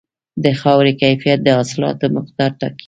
د خاورې کیفیت د حاصلاتو مقدار ټاکي.